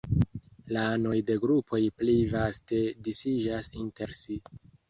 La anoj de grupoj pli vaste disiĝas inter si.